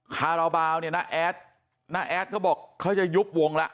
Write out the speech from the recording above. คาราบาลเนี่ยน้าแอดน้าแอดเขาบอกเขาจะยุบวงละ